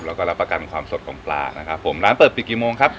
แล้วก็รับประกันความสดของปลานะครับผมร้านเปิดปิดกี่โมงครับ